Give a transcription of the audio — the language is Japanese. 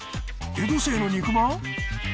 江戸清の肉まん？